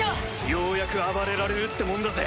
ようやく暴れられるってもんだぜ。